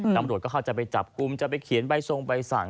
ตำรวจก็เข้าจะไปจับกลุ่มจะไปเขียนใบทรงใบสั่ง